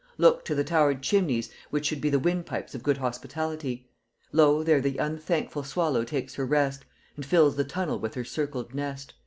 Look to the towered chimneys, which should be The windpipes of good hospitality: Lo there the unthankful swallow takes her rest, And fills the tunnel with her circled nest."